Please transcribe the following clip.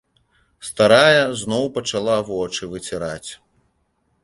Старая зноў пачала вочы выціраць.